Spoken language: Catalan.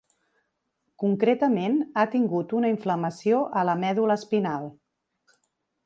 Concretament, ha tingut una inflamació a la medul·la espinal.